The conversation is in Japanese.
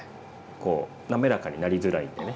こう滑らかになりづらいんでね